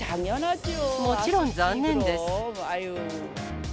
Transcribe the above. もちろん残念です。